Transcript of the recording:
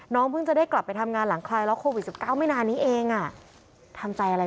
น้องพึ่งจะได้กลับไปทำงานหลังไทย